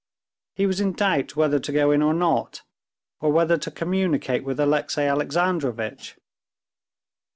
He was in doubt whether to go in or not, or whether to communicate with Alexey Alexandrovitch.